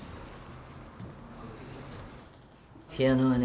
ピアノはね